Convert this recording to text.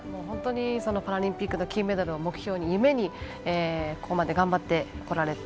パラリンピックの金メダルを目標に、夢にここまで頑張ってこられて。